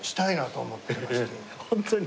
ホントに？